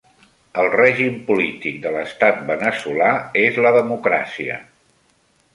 El règim polític de l'Estat veneçolà és la democràcia.